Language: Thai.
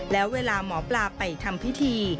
แล้วเวลาหมอปลาไปทำพิธี